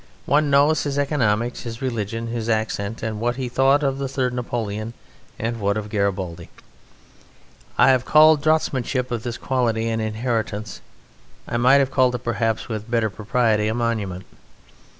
One knows his economics, his religion, his accent, and what he thought of the Third Napoleon and what of Garibaldi. I have called draughtsmanship of this quality an inheritance I might have called it perhaps with better propriety a monument.